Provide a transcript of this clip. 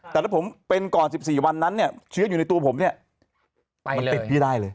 แต่ถ้าผมเป็นก่อน๑๔วันนั้นเนี่ยเชื้ออยู่ในตัวผมเนี่ยมันติดพี่ได้เลย